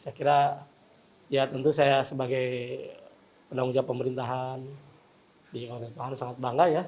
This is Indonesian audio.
saya kira ya tentu saya sebagai pendang ucap pemerintahan di kabupaten pangandaran sangat bangga ya